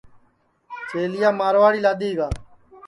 چیلِیا مارواڑی لادؔی گا